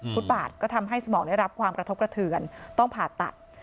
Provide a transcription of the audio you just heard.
ฟุตบาทก็ทำให้สมองได้รับความกระทบกระเทือนต้องผ่าตัด